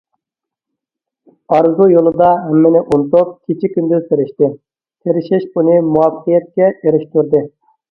ئارزۇ يولىدا ھەممىنى ئۇنتۇپ، كېچە- كۈندۈز تىرىشتى، تىرىشىش ئۇنى مۇۋەپپەقىيەتكە ئېرىشتۈردى.